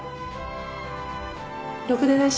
ろくでなし。